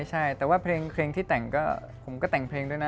ใช่แต่ว่าเพลงที่แต่งก็ผมก็แต่งเพลงด้วยนะ